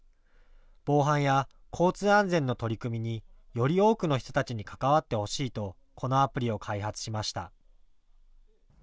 防犯や交通安全の取り組みにより多くの人たちに関わってほしいとこのアプリを開発しました。